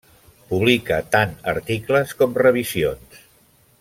Publica tant articles com revisions.